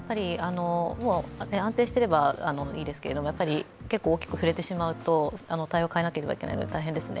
安定していればいいんですけど大きく振れてしまうと、対応変えなければいけないので大変ですね。